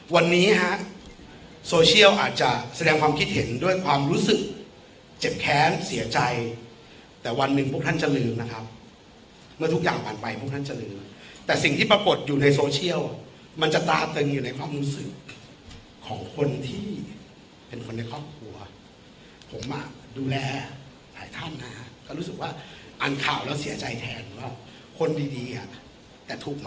วันนี้ฮะโซเชียลอาจจะแสดงความคิดเห็นด้วยความรู้สึกเจ็บแค้นเสียใจแต่วันหนึ่งพวกท่านจะลืมนะครับเมื่อทุกอย่างผ่านไปพวกท่านจะลืมแต่สิ่งที่ปรากฏอยู่ในโซเชียลมันจะตาตึงอยู่ในความรู้สึกของคนที่เป็นคนในครอบครัวผมอ่ะดูแลหลายท่านนะฮะก็รู้สึกว่าอ่านข่าวแล้วเสียใจแทนว่าคนดีดีอ่ะแต่ทุกข์